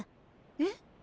えっ？